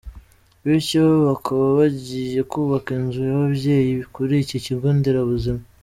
bityo bakaba bagiye kubaka inzu y’ababyeyi kuri iki kigo nderabuzima.